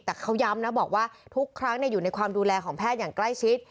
แต่เขาย้ำนะบอกว่าทุกครั้งอยู่ในความดูแลของแพทย์อย่างใกล้ชิด